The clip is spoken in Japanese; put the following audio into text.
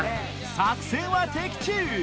作戦は的中！